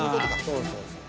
そうそうそう。